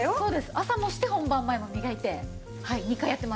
朝もして本番前も磨いて２回やってます。